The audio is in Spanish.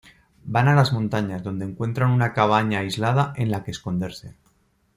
Van a las montañas donde encuentran una cabaña aislada en la que esconderse.